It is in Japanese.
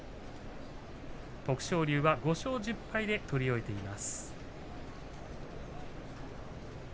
徳勝龍は５勝１０敗で取り終えています。